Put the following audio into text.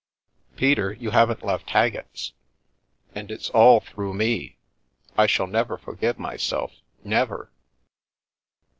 " Peter, you haven't left Haggett's ? And it's all through me ! I shall never forgive myself, never